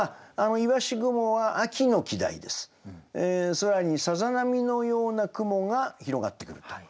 空にさざ波のような雲が広がってくると。